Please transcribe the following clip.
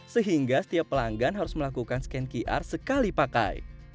sehingga setiap pelanggan harus melakukan scan qr sekali pakai